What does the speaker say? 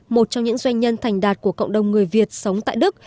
một trong những doanh nhân thành đạt của cộng đồng người việt sống tại đức